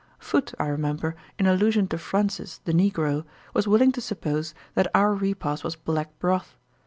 Foote, I remember, in allusion to Francis, the negro, was willing to suppose that our repast was black broth.